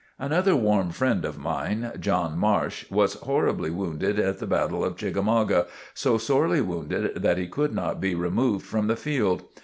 Another warm friend of mine, John Marsh, was horribly wounded at the battle of Chickamauga; so sorely wounded that he could not be removed from the field.